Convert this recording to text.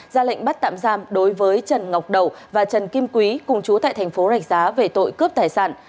ra lệnh bắt tạm giam đối với trần ngọc đậu và trần kim quý cùng chú tại tp rạch giá về tội cướp tài sản